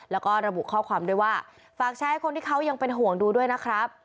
แล้วก็ระบุข้อความด้วยว่าฝากใช้คนที่เขายังเป็นห่วงดูด้วยนะครับ